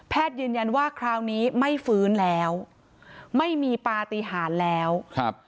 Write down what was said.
ยืนยันว่าคราวนี้ไม่ฟื้นแล้วไม่มีปฏิหารแล้วครับ